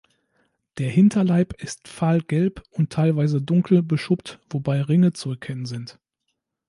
Der Hinterleib ist fahl gelb und teilweise dunkel beschuppt, wobei Ringe zu erkennen sind.